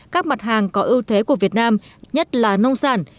các mặt hàng có ưu thế của việt nam nhất là nông sản